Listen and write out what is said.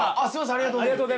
ありがとうございます。